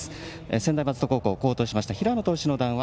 専大松戸高校、好投しました平野投手の談話